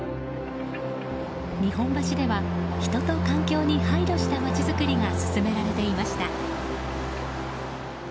日本橋では人と環境に配慮した街づくりが進められていました。